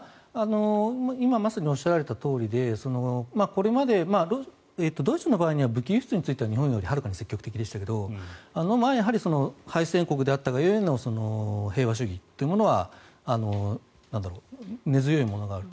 今まさにおっしゃられたとおりでこれまでドイツの場合は武器輸出に対しては日本よりはるかに積極的でしたけどその前、敗戦国であったが故の平和主義というものは根強いものがあると。